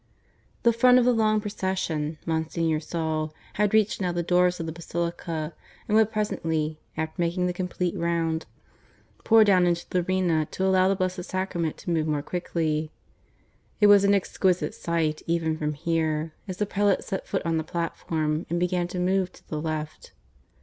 The front of the long procession, Monsignor saw, had reached now the doors of the basilica, and would presently, after making the complete round, pour down into the arena to allow the Blessed Sacrament to move more quickly. It was an exquisite sight, even from here, as the prelate set foot on the platform and began to move to the left.